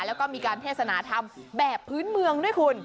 แล้วก็มีการเทศนาธรรมแบบพื้นเมืองด้วยคุณ